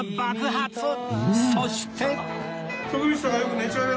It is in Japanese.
そして